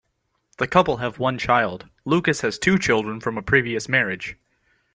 The couple have one child; Lucas has two children from a previous marriage.